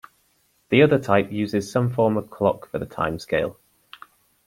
The other type uses some form of clock for the time scale.